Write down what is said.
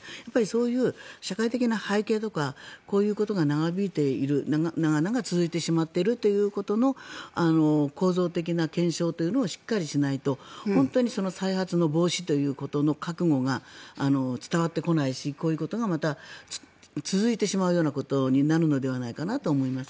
そういう社会的な背景とかこういうことが長引いている長々続いてしまっているということの構造的な検証というのをしっかりしないと本当に再発の防止ということの覚悟が伝わってこないしこういうことがまた続いてしまうようなことになるのではないかなと思います。